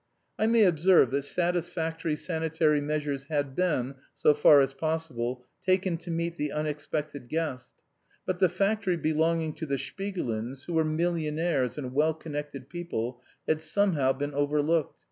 I may observe that satisfactory sanitary measures had been, so far as possible, taken to meet the unexpected guest. But the factory belonging to the Shpigulins, who were millionaires and well connected people, had somehow been overlooked.